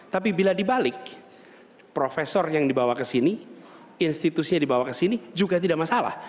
tapi bila dibalik profesor yang dibawa ke sini institusinya dibawa ke sini juga tidak masalah